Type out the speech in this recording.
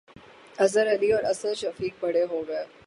اظہر علی اور اسد شفیق 'بڑے' ہو گئے